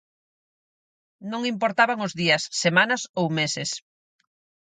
Non importaban os días, semanas ou meses.